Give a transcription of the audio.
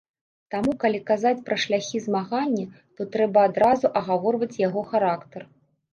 Таму калі казаць пра шляхі змагання, то трэба адразу агаворваць яго характар.